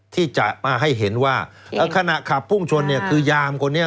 ที่จะมาให้เห็นว่าขณะขับพุ่งชนเนี่ยคือยามคนนี้